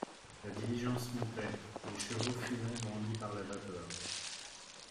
La diligence montait ; les chevaux fumaient grandis par la vapeur.